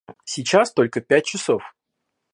Сейчас только пять часов.